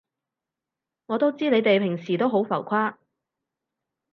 我都知你哋平時都好浮誇